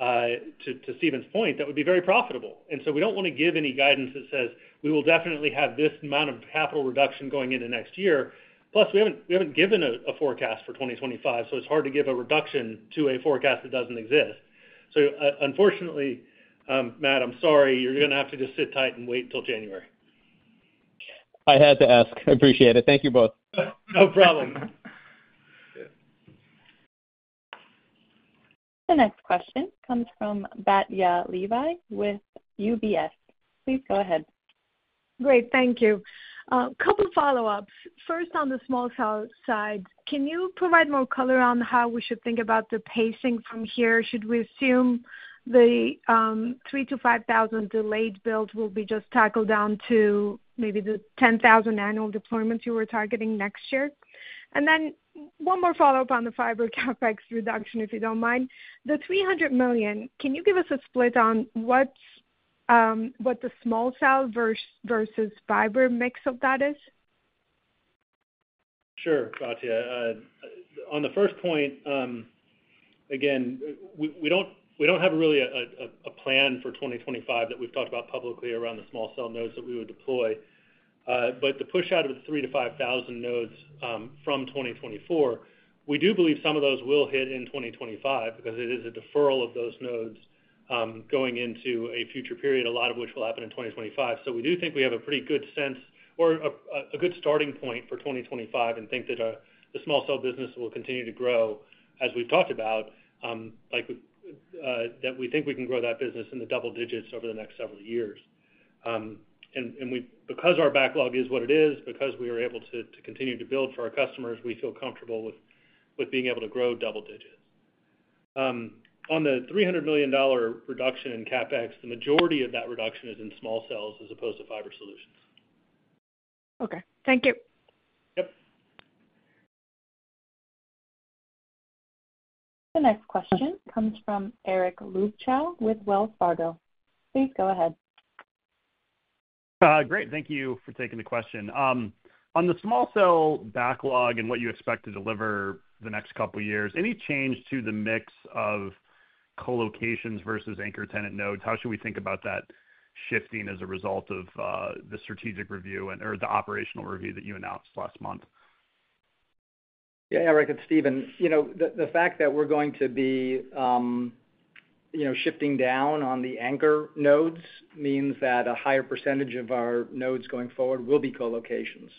to Stephen's point, that would be very profitable. And so we don't want to give any guidance that says, "We will definitely have this amount of capital reduction going into next year." Plus, we haven't given a forecast for 2025, so it's hard to give a reduction to a forecast that doesn't exist. So, unfortunately, Matt, I'm sorry, you're going to have to just sit tight and wait until January. I had to ask. I appreciate it. Thank you both. No problem. The next question comes from Batya Levi with UBS. Please go ahead. Great, thank you. A couple follow-ups. First, on the small cell side, can you provide more color on how we should think about the pacing from here? Should we assume the 3,000-5,000 delayed builds will be just tackled down to maybe the 10,000 annual deployments you were targeting next year? And then one more follow-up on the fiber CapEx reduction, if you don't mind. The $300 million, can you give us a split on what the small cell versus fiber mix of that is? Sure, Batya. On the first point, again, we, we don't, we don't have really a plan for 2025 that we've talked about publicly around the small cell nodes that we would deploy. But the push out of the 3,000-5,000 nodes from 2024, we do believe some of those will hit in 2025, because it is a deferral of those nodes going into a future period, a lot of which will happen in 2025. So we do think we have a pretty good sense or a good starting point for 2025 and think that the small cell business will continue to grow, as we've talked about, like that we think we can grow that business in the double digits over the next several years. And we, because our backlog is what it is, because we are able to continue to build for our customers, we feel comfortable with being able to grow double digits. On the $300 million reduction in CapEx, the majority of that reduction is in small cells as opposed to fiber solutions. Okay. Thank you. Yep. The next question comes from Eric Luebchow with Wells Fargo. Please go ahead. Great. Thank you for taking the question. On the small cell backlog and what you expect to deliver the next couple of years, any change to the mix of co-locations versus anchor tenant nodes? How should we think about that shifting as a result of the strategic review or the operational review that you announced last month? Yeah, Eric, it's Steven. You know, the fact that we're going to be, you know, shifting down on the anchor nodes means that a higher percentage of our nodes going forward will be co-locations.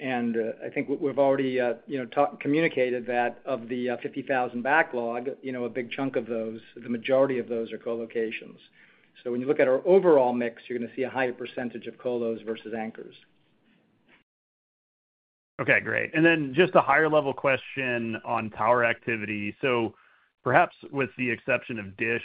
I think we've already, you know, communicated that of the 50,000 backlog, you know, a big chunk of those, the majority of those are co-locations. So when you look at our overall mix, you're going to see a higher percentage of colos versus anchors. Okay, great. And then just a higher level question on tower activity. So perhaps with the exception of DISH,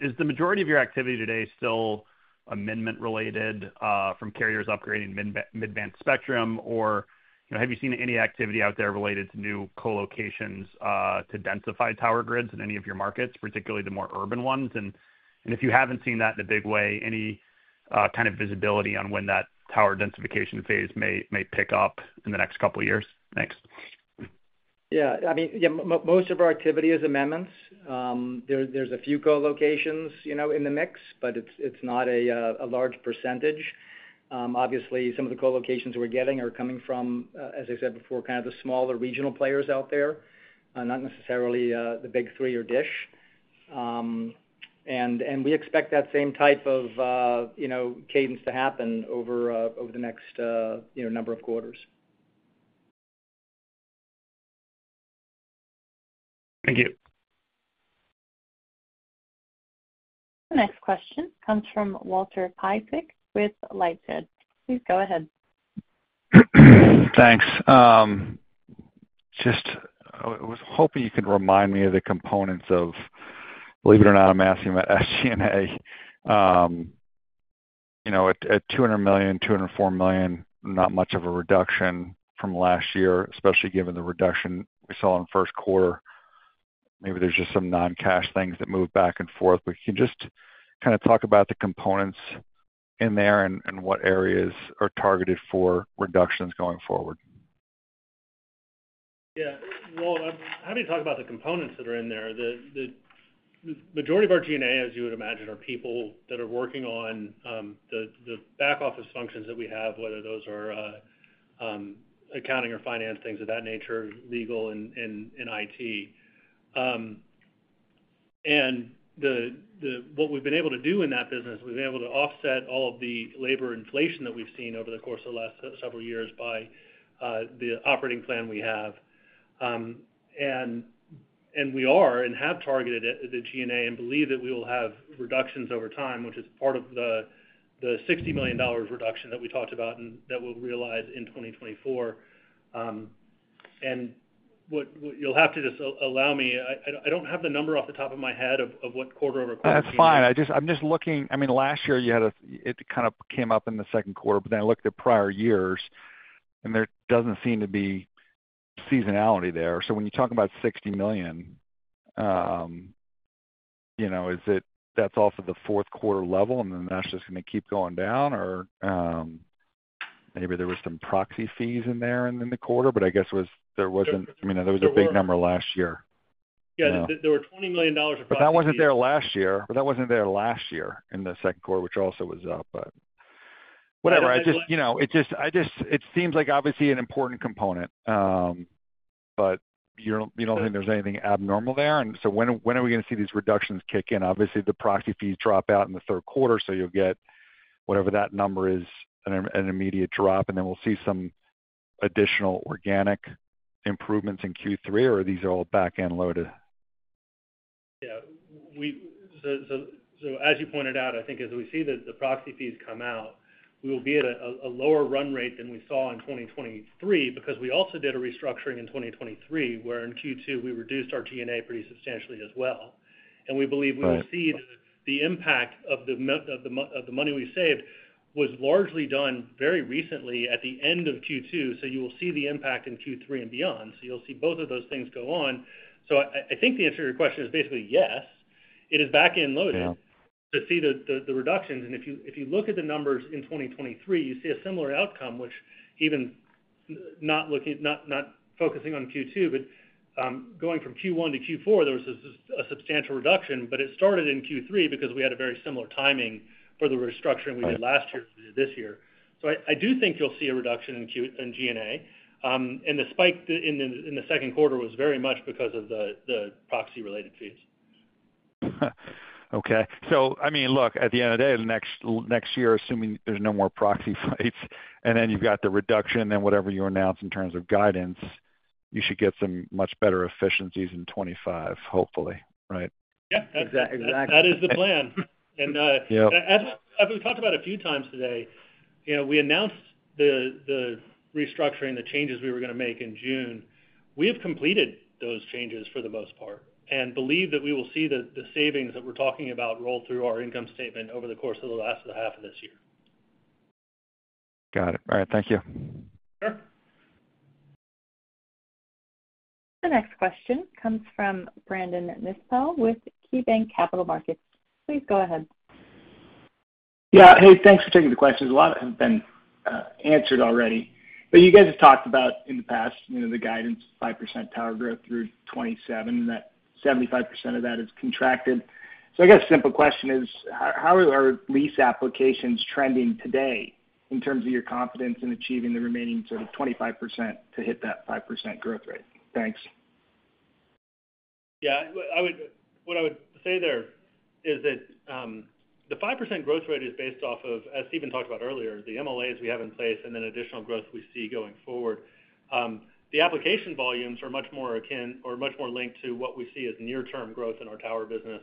is the majority of your activity today still amendment related from carriers upgrading mid-band spectrum? Or, you know, have you seen any activity out there related to new co-locations to densify tower grids in any of your markets, particularly the more urban ones? And if you haven't seen that in a big way, any kind of visibility on when that tower densification phase may pick up in the next couple of years? Thanks. Yeah. I mean, yeah, most of our activity is amendments. There's a few co-locations, you know, in the mix, but it's not a large percentage. Obviously, some of the co-locations we're getting are coming from, as I said before, kind of the smaller regional players out there, not necessarily the big three or DISH. And we expect that same type of, you know, cadence to happen over the next, you know, number of quarters. Thank you. The next question comes from Walter Piecyk with LightShed. Please go ahead. Thanks. Just was hoping you could remind me of the components of, believe it or not, I'm asking about SG&A. You know, at, at $200 million, $204 million, not much of a reduction from last year, especially given the reduction we saw in the first quarter. Maybe there's just some non-cash things that move back and forth. But can you just kind of talk about the components in there and, and what areas are targeted for reductions going forward? Yeah. Well, how do you talk about the components that are in there? The majority of our G&A, as you would imagine, are people that are working on the back office functions that we have, whether those are accounting or finance, things of that nature, legal and IT. And what we've been able to do in that business, we've been able to offset all of the labor inflation that we've seen over the course of the last several years by the operating plan we have. And we are and have targeted it, the G&A, and believe that we will have reductions over time, which is part of the $60 million reduction that we talked about and that we'll realize in 2024. And what you'll have to just allow me. I don't have the number off the top of my head of what quarter-over-quarter... That's fine. I'm just looking... I mean, last year you had it kind of came up in the second quarter, but then I looked at prior years, and there doesn't seem to be seasonality there. So when you talk about $60 million, you know, is it that's off of the fourth quarter level, and then that's just gonna keep going down? Or, maybe there was some proxy fees in there in the quarter, but I guess there wasn't, I mean, there was a big number last year. Yeah. You know? There were $20 million of- But that wasn't there last year, but that wasn't there last year in the second quarter, which also was up, but... Whatever. Yeah. I just, you know, it just seems like obviously an important component, but you don't, you don't think there's anything abnormal there? And so when are we gonna see these reductions kick in? Obviously, the proxy fees drop out in the third quarter, so you'll get whatever that number is, an immediate drop, and then we'll see some additional organic improvements in Q3, or these are all back-end loaded? Yeah, so as you pointed out, I think as we see the proxy fees come out, we will be at a lower run rate than we saw in 2023 because we also did a restructuring in 2023, where in Q2 we reduced our G&A pretty substantially as well. Right. We believe we will see the impact of the money we saved was largely done very recently at the end of Q2, so you will see the impact in Q3 and beyond. So you'll see both of those things go on. So I think the answer to your question is basically yes, it is back-end loaded- Yeah... to see the reductions. And if you look at the numbers in 2023, you see a similar outcome, which even not looking, not focusing on Q2, but going from Q1 to Q4, there was a substantial reduction, but it started in Q3 because we had a very similar timing for the restructuring. Right We did last year to this year. So I, I do think you'll see a reduction in G&A. And the spike in the, in the second quarter was very much because of the, the proxy-related fees. Okay. So I mean, look, at the end of the day, next, next year, assuming there's no more proxy fights, and then you've got the reduction, then whatever you announce in terms of guidance, you should get some much better efficiencies in 2025, hopefully, right? Yep. Exac-exactly. That is the plan. Yeah. And, as we've talked about a few times today, you know, we announced the restructuring, the changes we were gonna make in June. We have completed those changes for the most part, and believe that we will see the savings that we're talking about roll through our income statement over the course of the last half of this year. Got it. All right. Thank you. Sure. The next question comes from Brandon Nispel with KeyBanc Capital Markets. Please go ahead. Yeah. Hey, thanks for taking the questions. A lot have been answered already, but you guys have talked about in the past, you know, the guidance, 5% tower growth through 2027, and that 75% of that is contracted. So I guess a simple question is, how, how are our lease applications trending today in terms of your confidence in achieving the remaining sort of 25% to hit that 5% growth rate? Thanks. Yeah, what I would say there is that, the 5% growth rate is based off of, as Steven talked about earlier, the MLAs we have in place and then additional growth we see going forward. The application volumes are much more akin or much more linked to what we see as near-term growth in our tower business.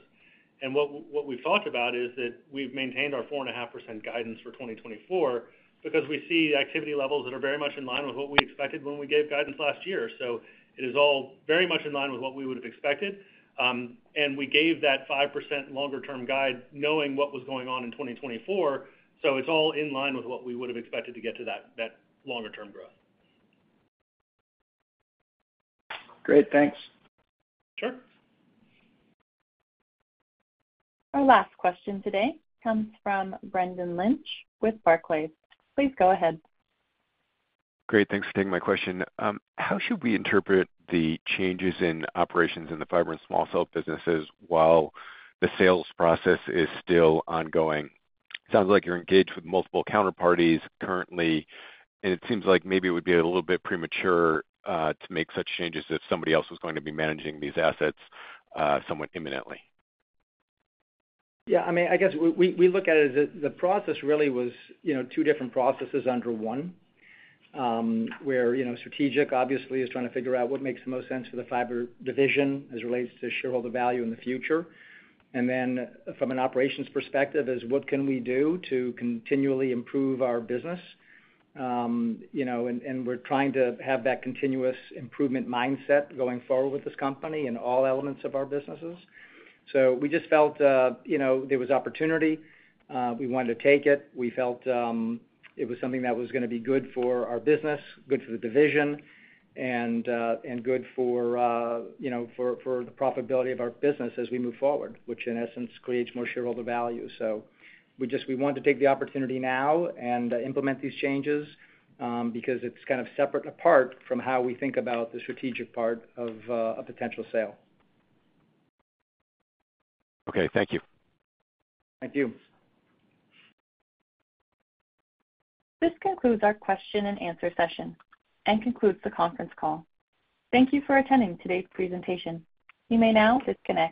And what we've talked about is that we've maintained our 4.5% guidance for 2024 because we see activity levels that are very much in line with what we expected when we gave guidance last year. So it is all very much in line with what we would have expected. And we gave that 5% longer-term guide knowing what was going on in 2024, so it's all in line with what we would have expected to get to that longer-term growth. Great. Thanks. Sure. Our last question today comes from Brendan Lynch with Barclays. Please go ahead. Great. Thanks for taking my question. How should we interpret the changes in operations in the fiber and small cell businesses while the sales process is still ongoing? Sounds like you're engaged with multiple counterparties currently, and it seems like maybe it would be a little bit premature to make such changes if somebody else was going to be managing these assets somewhat imminently. Yeah, I mean, I guess we look at it as the process really was, you know, two different processes under one. Where, you know, strategic obviously is trying to figure out what makes the most sense for the fiber division as it relates to shareholder value in the future. And then from an operations perspective, is what can we do to continually improve our business? You know, and we're trying to have that continuous improvement mindset going forward with this company in all elements of our businesses. So we just felt, you know, there was opportunity, we wanted to take it. We felt, it was something that was gonna be good for our business, good for the division, and, and good for, you know, for, for the profitability of our business as we move forward, which in essence, creates more shareholder value. So we just, we want to take the opportunity now and implement these changes, because it's kind of separate, apart from how we think about the strategic part of, a potential sale. Okay, thank you. Thank you. This concludes our question and answer session and concludes the conference call. Thank you for attending today's presentation. You may now disconnect.